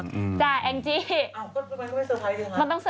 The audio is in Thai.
ลูกเปลิ่งลูกปล่องอะไรอย่างนี้แล้วถ้าเกิดใครบอกว่าโรงแรมก็มีคนก็เยอะไง